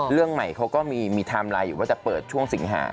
เรื่องใหม่เขาก็มีไทม์ไลน์อยู่ว่าจะเปิดช่วงสิงหา